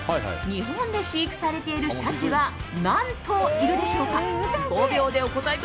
日本で飼育されているシャチは何頭いるでしょうか。